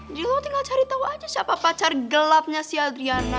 jadi lo tinggal cari tau aja siapa pacar gelapnya si adriana